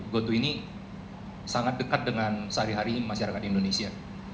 gotu ini sangat dekat dengan sehari hari masyarakat indonesia